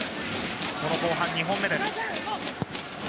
後半２本目です。